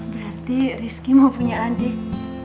berarti rizky mau punya adik